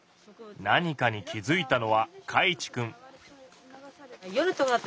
何かに気付いたのはかいちくん。